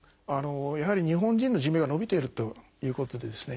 やはり日本人の寿命が延びているということでですね